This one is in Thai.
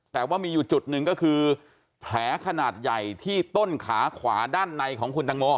แต่ว่ามีอยู่จุดหนึ่งก็คือแผลขนาดใหญ่ที่ต้นขาขวาด้านในของคุณตังโม